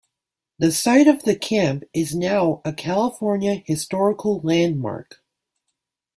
The site of the camp is now a California Historical Landmark.